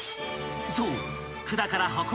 ［そう］